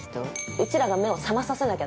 うちらが目を覚まさせなきゃだね。